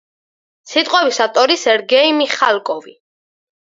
სიტყვების ავტორი სერგეი მიხალკოვი.